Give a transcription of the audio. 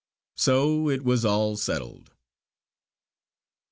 So it was all settled.